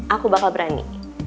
aku bakal berani